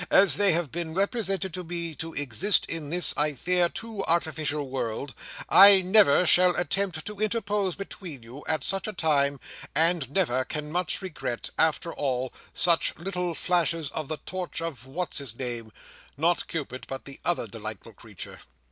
as they have been represented to me to exist in this I fear too artificial world, I never shall attempt to interpose between you, at such a time, and never can much regret, after all, such little flashes of the torch of What's his name—not Cupid, but the other delightful creature."